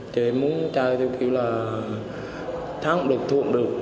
chứ em muốn chơi như kiểu là thắng cũng được thua cũng được